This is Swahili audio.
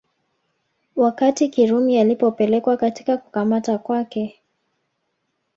Wakati Kirumi alipopelekwa katika kukamata kwake